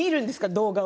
動画を。